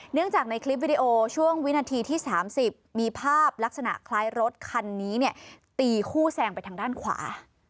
จากในคลิปวิดีโอช่วงวินาทีที่๓๐มีภาพลักษณะคล้ายรถคันนี้เนี่ยตีคู่แซงไปทางด้านขวา